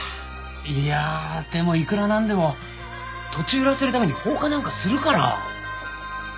いやあでもいくらなんでも土地を売らせるために放火なんかするかなあ？